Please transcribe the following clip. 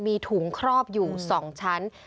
มีถุงครอบอยู่๒ชั้น